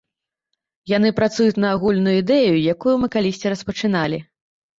Яны працуюць на агульную ідэю, якую мы калісьці распачыналі.